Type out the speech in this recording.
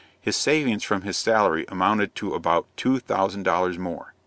His savings from his salary amounted to about two thousand dollars more.